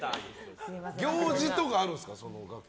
行事とかあるんですか？